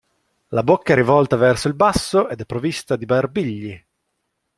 La bocca è rivolta verso il basso ed è provvista di barbigli.